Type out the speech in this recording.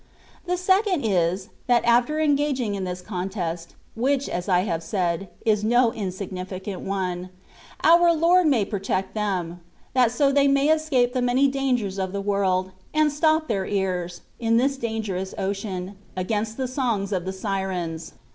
The second is, that after engaging in this contest (which, as I have said, is no insignificant one), our Lord may protect them ; that so they may Escape the many dangers of the world, and stop their ears, in this dangerous ocean, against the srmgK of the Syrens.